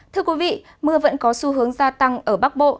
thưa quý vị mưa vẫn có xu hướng gia tăng ở bắc bộ